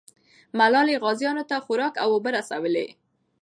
ملالۍ غازیانو ته خوراک او اوبه رسولې.